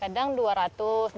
kalau besok aja lah belum